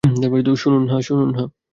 শুনুন, - হ্যাঁ।